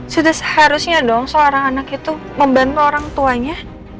sudah seharusnya dong seorang anak itu membantu orang tuanya